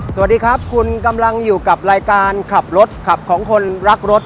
สวัสดีครับคุณกำลังอยู่กับรายการขับรถขับของคนรักรถ